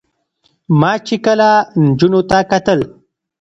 ما چې کله نجونو ته کتل